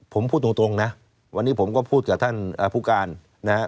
ผมพูดตรงนะวันนี้ผมก็พูดกับท่านผู้การนะฮะ